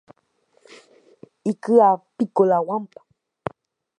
Iky'ápiko la guampa.